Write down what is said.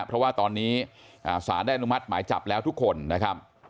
เพราะว่าตอนนี้สารได้อนุมัติหมายจับแล้วทุกคนนะครับ